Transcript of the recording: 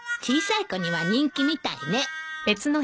小さい子には人気みたいね。